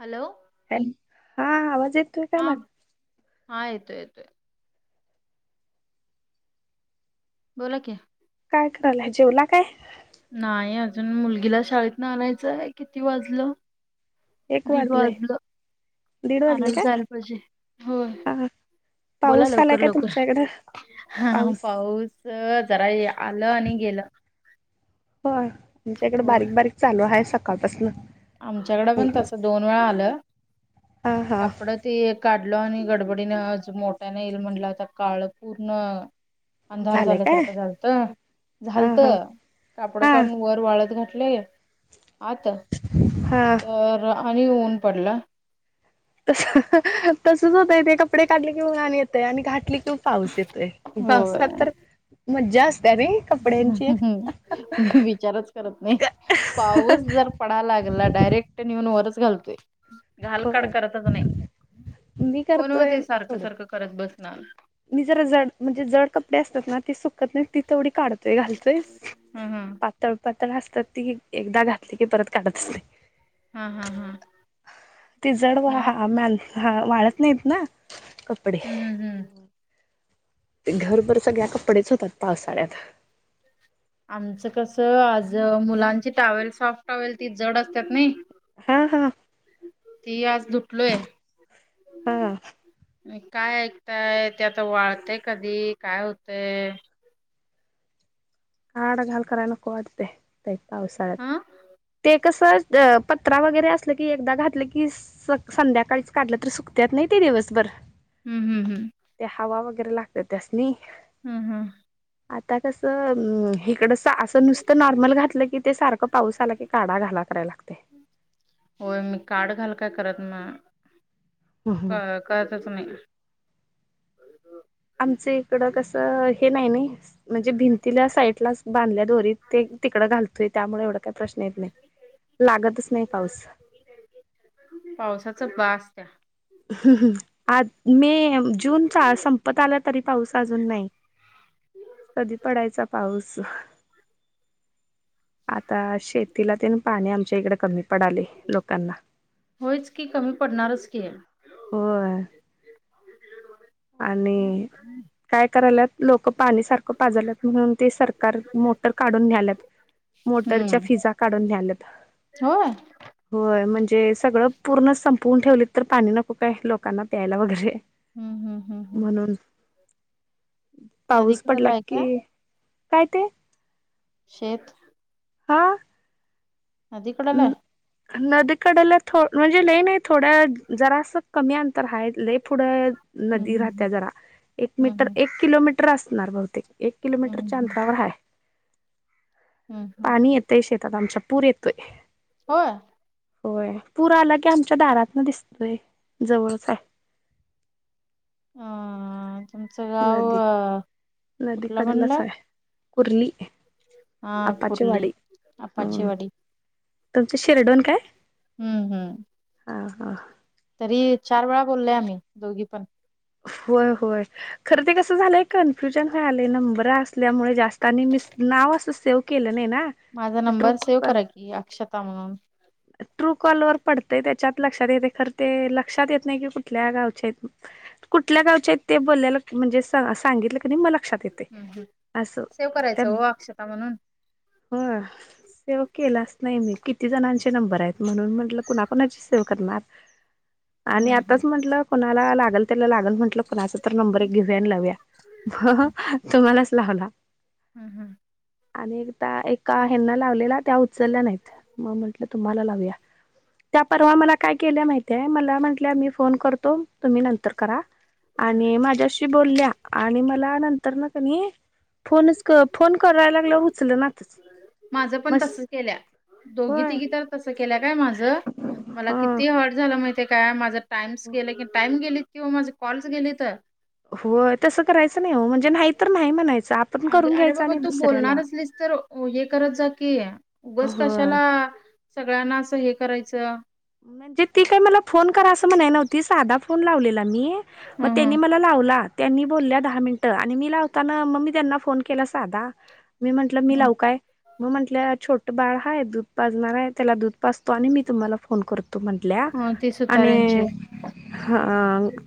Hello ह हा आवाज येतोय, काय हा माझा? हा, येतोय येतोय. बोला कि. काय करालाय, जेवला काय? नाही, अजून मुलगीला शाळेत न आणायचंय किती वाजलं? एक दीड वाजलय वाजलं दीड वाजले आणायला काय जायला पाहिजे, होय. हा बोला पाऊस आलाय लवकर काय लवकर तुमच्याकडं हा पाऊस. जरा आलं आणि गेलं. हो, आमच्या इकडं हो बारीक बारीक चालू आहे, सकाळपासनं. आमच्याकडे पण तस दोन वेळा आलं हा हा कपड ते का ल आणि गडबडीनेज मोठ्यान येईल, म्हटलं आता काळ पूर्ण अंधार झालंय काय झाल्यासारखं झालतं हा हा झालतं कापडं हा काढून वर वाळत घात आता हा तर आणि ऊन पडला. तस तसच होतयं ते कपडे काढले, कि ऊन आणि येतयं आणि घातली त पाऊस येतोय, होय पावसाात तर मजास्त विचारच करत नाही, पाऊस जर पडा लागला डायरेक्ट नेऊन वरचं घालतोय. घाल काड होय करतच नाही, मी कोण ओ करतोय ते सारखं थोडं सारखं करत बसणार. मी जरा जड म्हणजे, जड कपडे असतात. ना ते सुकत नाही तेवढी काढतोय, घालतोय. ह ह पातळ असतात, ती एकदा घातली की, परत काढतच नाही. हा हा हा ती जड [unintelligible] मग हा वाळत नाहीत, ना. कपडे. हम्म हम हम्म! ते घरभर सगळ्या कपडेच होतात, पावसाळ्यात. आमचं कसं आज मुलांची टाँवेल सॉफ्टवेल ती जड असतात नाही. हा हा ती आज हा [unintelligible] काय ऐकताय? ते आता वाळतय कधी, काय होतंय? काड घाल कराय नको, वाटतयं पावसाळ्यात हा. ते कस पत्रा वगैरे असलं, की एकदा घातलं की, संध्याकाळीच काढलं तर सुकत्यात दिवसभर हम्म हम्म हम्म! [unintelligible] लागतात त्यासनी हम्म हम! आता कसं हिकडं असं नुसतं नॉर्मल घातलं. की ते सारखं पाऊस आलं. की काढा घाला कराय लागतयं. हो मी काड घाल काय करत म करतच नाही आमच इकड कसं हे नाही नाही म्हणजे भिंतीला साईड लाच बांधल्या दोरीत ते तिकडं घालतोय त्यामुळे एवढ काय प्रश्न येत नाही लागतच नाही पाऊस पावसाच बास त्या हम् ह् आज मे जूनचा संपत आला तरी पाऊस अजून नाही कधी पडायचा पाऊस आता शेतीला ते ना पाणी आमच्या इकडे कमी पडले लोकांना होयच की कमी पडणारच की होय आणि काय करायलात लोक पाणी सारखं पाजलत म्हणून ते सरकार मोटर काढून न्यालात मोटरच्या हम्म फिजा काढून घ्याल्या होय. होय म्हणजे े सगळं पूर्ण संपवून ठेवली तर पाणी नको काय लोकांना प्यायला वगैरे हम् हम्म हम्म हम्म. म्हणून पाऊस पडला नदीकडला आहे की काय काय ते शेत हा अदीकडले नदीकडेला ो म्हणजे लईन थोड्या जरास कमी आण तर हा पुढ हम्म नदी राहत हम्म. जरा एक हम्म मीटर हम्म एक किलोमीटर तर असणार बहुतेक एक किलोमीटरच्या हम्म अंतरावर आहे हम्म हम्म पाणी येतय शेतात आमच्या पूर येतोय होय होय पूर आला की आमच्या दारात न दिसतोय जवळच आहे ह.. तुमचं गाव अ नदी कडलाच हाय कुर्ली हा आप्पाची कुर्ली वाडी ह आपाचीवाडी तुमचं शिरडोन काय हम्म हम्म हा हा तरी चार वेळा बोललोय आम्ही दोघी पण होय होय खर ते कस झालंय कन्फ्युजन व्हालय नंबर असल्यामुळे जास्त आणि मिस नाव असं सेव्ह केलं नाही ना माझा ते नंबर सेव करा की अक्षता म्हणून करते ट्रू कॉल वर पडतय त्याच्यात लक्षात येते खर ते लक्षात येत नाही की कुठल्या गावच्या आहेत फक्त कुठल्या गावच्या आहेत ते बोलल्यालत त. म्हणजे सांगितलं तरी म लक्षात येते हम्म हम्म असं सेव्ह त्या करायचं हो अक्षता म्हणून हो सेव केलाच नाही मी किती जणांची एक नंबर हाय बराय मग मी म्हंटल कुणाकुणाची सेव्ह करणार हम्म आणि हम्म हम्म आत्ताच म्हंटल कोणाला लागल त्याला लागल म्हंटलं कुणाच तर नंबर घेऊया आणि लावूया ह. ह. तुम्हालाच लावला हम् हम्म आणि एकदा एका हेना लावलेला त्या उचलल्या नाहीत मग म्हटलं तुम्हाला लावूया त्या परवा मला काय केल्या माहितीय मला म्हटल्या मी फोन करतो तुम्ही नंतर करा हम्म. आणि माझ्याशी बोलल्या आणि मला नंतर न कणी फोनच फोन करायला लागलोय उचलना तच माझं पण तस केल्या दोघी होय तिघी तर तस केल्या काय माझ मला हा किती हर्ट झालं माहिताय काय माझा टाइम्स गेलं की टाइम गेलं क किंवा माझे कॉलच गेले तर होय तसं करायचं नाही हो म्हण जे नाही तर नाही म्हणायच आपण अग करून अरे घ्यायच बाबा आणि तू दुसऱ्याला कि उगच होय कशाला सगळ्यांना अस हे करायचं म्हणजे ती काय मला फोन करा असं म्हणाय नव्हती साधा फोन लावलेला मी मग ह त्यांनी मला लावला त्यांनी बोलल्या दहा मिनटं आणि मी लावताना मग मी त्यांना फोन केला साधा मी म्हंटलं मी लावू काय मग म्हटलं छोटं बाळ हाय दूध पाजणार आहे त्याला दूध पाजतो आणि मी तुम्हाला फोन करतो म्हंटल्या ह ती आणि सुतारांची ह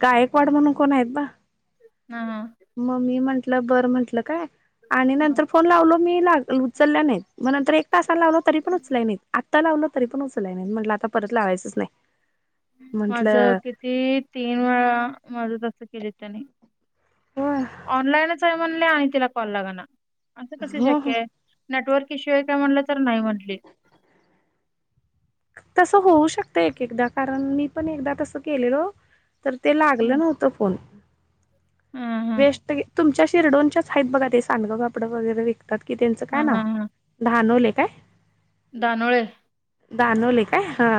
गायकवाड म्हणून कोण आहेत बा हा हा मग मी म्हंटलं बरं म्हंटलं काय आणि नंतर फोन लावलो मी लाग उचलल्या नाहीत मग नंतर एक तासाला लावलं तरी पण उचलाय नाहीत आत्ता लावलं तरी पण उचलाय नाहीत म्हटलं आता परत लावायचंच नाही माझ म्हंटलं किती तीन वेळा माझ तस केलं त्यांनी होय ऑनलाईनच आहे म्हणल आणि तिला कॉल लागना असं कस हो शक्य हो आहे नेटवर्क ईशू हाय काय म्हणलं तर नाही म्हटली तसं होऊ शकत एक एकदा कारण मी पण एकदा तसं केलेल तर ते लागलं नव्हतं फोन हां हां वेस्ट गे तुमच्या शिरडोनच्याच आहेत बघा ते सांडगं कपडं वगैरे विकतात की त्यांचं काय हां नाव हां हां दानोळे काय दानोळे दानवले काय हा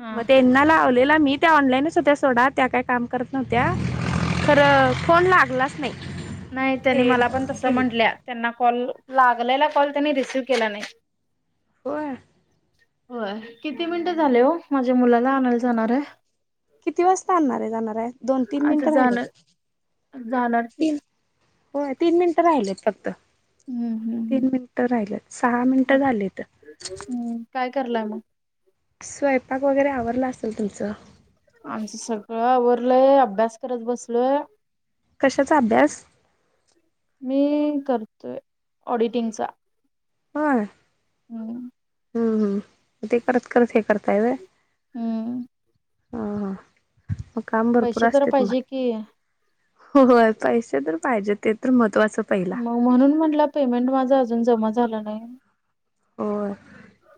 हां मग त्यांना लावले.. मी त्या ऑनलाईनच होत्या सोडा त्या काय काम करत नव्हत्या. खरं फोन लागलाच नाही. नाही त्यांनी ते मला पण तस गेल म्हटल्या त्यांना कॉल.. लागलेला कॉल त्यांनी रिसिव केला नाही. होय. होय किती मिनिटं हम्म. झाले हो माझ्या मुलाला आणायला जाणार आहे. किती वाजता आणणार आहे जाणार आहे. दोन तीन आता मिनटं राहिल जाणार त जाणार की तीन.. होय तीन मिनिटं राहिलेत फक्त. हम्म हम्म हम्म तीन मिनिट राहिले सहा मिनिटं झाली तर.. करलाम.. स्वयंपाक वगैरे आववरडला असेल तुमचं. आमचं सगळं वरलय अभ्यास करत बसलोय. कशाचा अभ्यास? मी करतोय ऑडिटिंगचा. हो. हम्म. हम्म हम् ते करत करत हे करताय. हम्म. अ मग काम भरपूर पैसे तर असते पाहिजे तुम्हाला. की होय पैसे तर पाहिजे ते तर म.. मग म्हणून म्हटलं पेमेंट माझा अजून जमा झाला नाही. हो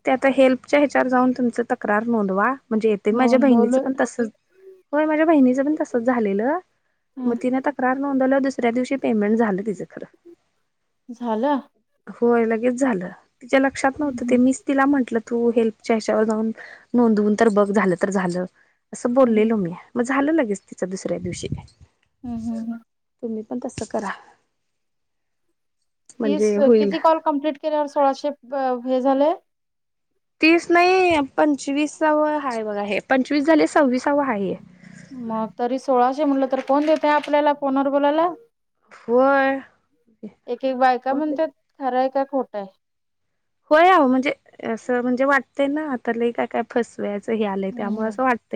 ते आता हेल्पच्या ह्याच्यावर जाऊन तुमच तक्रार नोंदवा! म्हणजे येते माझ्या बहिणीचं नोंदवलं पण तसच होय माझ्या बहिणीचं पण तसच झालेलं. मग तिने तक्रार नोंदवल्या दुसऱ्या दिवशी पेमेंट झालं तिचं खरं. झालं! हो लगेच झालं तिच्या लक्षात हं नव्हतं ते हं मी तिला म्हटलं.. तू हेल्पच्या हच्यावर जाऊन नोंदवून तर बघ झालं तर झालं असं बोललेलो मी.. झालं लगेच तिच दुसऱ्या दिवशी.. हम्म हम् हम्. तुम्ही पण तसं करा. तीस म्हणजे होईल किती कॉल कमप्लट केल्यावर सोळाशे हे झाले? तीस नाही पंचवीसव आहेा बघा हे. पंचवीस झाले सव्वीसावा आहे. मग तरी सोळाशे म्हटलं तर कोण देतय आपल्याला फोनवर बोलाला. होय एक एक बायका म्हणत खरंय का खोट आहे. हो या म्हणजे असं म्हणजे वाटतय ना आता लही काय काय फसवया.. आलंय हं त्यामुळे हं असं वाटत.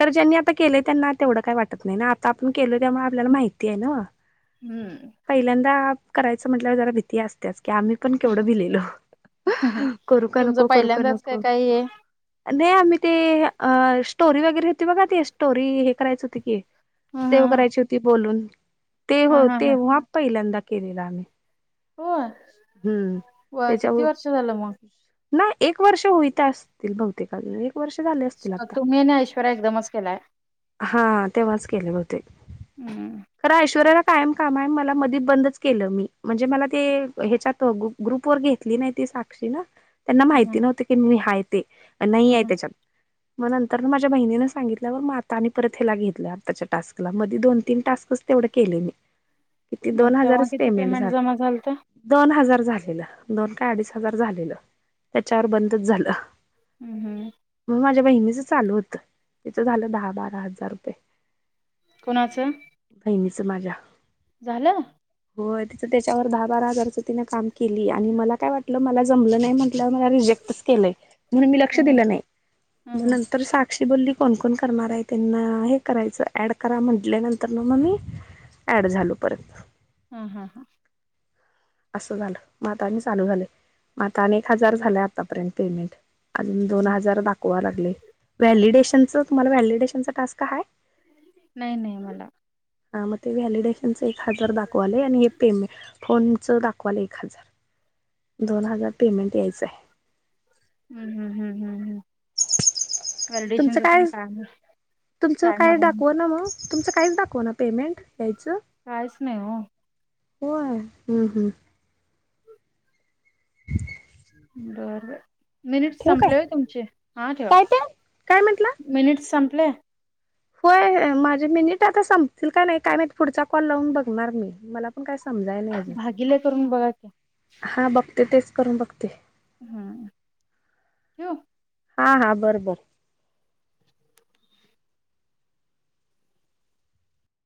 तर ज्यांनी आता केलेय त्यांना तेवढं काय वाटत नाही ना आता आपण केल त्यामुळे आपल्याला माहिती आहे ना. हम्म पहिल्यांदा करायचं म्हटल्यावर जरा भीती असतेच की आम्ही पण केवढं भिलेलो. करू का तुमचं नको करू का पहिल्यांदाच काय नको. काही हे नाही आम्ही.. ते स्टोरी वगैरे होती बघा ते स्टोरी हे करायच होती की! हं सेव हं करायची होती बोलून. ते हो हं हं ते हं हो हा पहिल्यांदा केलेला आम्ही. होय हम्म त्याच्यावर.. कल म. नाही एक वर्ष होईत असतील बहुतेकून.. वर्ष झाले असतील आता तुम्ही आणि ऐश्वर्या एकदमच केलाय हा तेव्हाच केलेले होते. हं हं खरा ऐश्वर्याला.. कायम काम आहे मला मध्ये बंदच केलं मी म्हणजे मला ते ह्याच्यात ग्रुप वर घेतली नाही साक्षी ना त्यांना माहिती हं नव्हते की हाय ते नाही हं, आहे हं. त्याच्यात मग नंतर माझ्या बहिणीनें सांगितलंवर मग आता परत ह्याला घेतलं आताच्या टास्कला मध्ये दोन तीन टास्कच एवढं केलं मी किती मग दोन तेव्हा हजारच किती पेमेंट झालंय जमा झालत दोन हजार झालेलं दोन का अडीच हजार झालेलं त्याच्यावर बंदच झालं हम्म हम्म बहीणी च चालू होत तिच झालं दहा बारा हजार रुपये कोणाचं समाजा झालं हो तिचं त्याच्यावर दहा बारा हजारच तिने काम केली आणि मला काय वाटलं मला जमलं नाही म्हण तिला मला रीजेक्ट केलय म्हणून मी लक्ष हं हं दिलं नाही हं म नंतर सां अशी बोली कोण कोण करणार आहे त्यांना हे करायचं ऍड करा म्हटल्यानंतर ना मग मी ऍड झालो परत हा हा हा असं झालं म आता आणि चालू झालं म आता आणि एक हजार झालं आतापर्यंत पेमेंट अजून दोन हं. हजार दाखवा लागले व्हॅलिडेशनच तुम्हाला व्हॅलिडेशनचा टास्क हाय नाही नाही मला हा मग ते व्हॅलिडेशनच एक हजार दाखवालय आणि हे पेमेंट फोनच दाख दाखवलाय एक हजार दोन हजार पेमेंट यायचं आहे हम् हम तुमचं काय काम तुमचं काय मला नाही. दाखव ना मग तुमचं काहीच दाखव ना पेमेंट यायचं कायच नाही हो व्हय हम्म हम्म बर बर मिनिट्स ठेवू काय संपले व्हय तुमचे हा ठेवा काय ते काय मिनिट्स संपले व्हय माझे मिनिट आता संपतील का नाही काय माहित पुढचा कॉल लावून बघणार मी मला पण काय समजाय नाही अजून भागिले करून बघा की हा बघते तेच करून बघते हम्म ठेऊ हा हा बर बर